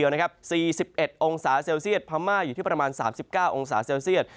๔๑องศาเซลเซียตพม่าอยู่ที่ประมาณ๓๙องศาเซลเซียต